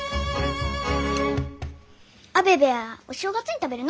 アベベはお正月に食べるの？